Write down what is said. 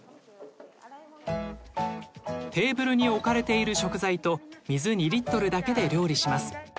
テーブルに置かれている食材と水２リットルだけで料理します。